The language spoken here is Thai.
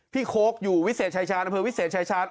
พี่โค้กอยู่วิเศษชายชาน